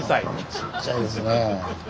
ちっちゃいですね。